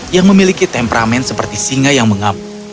yang memiliki temperamen seperti singa yang mengamuk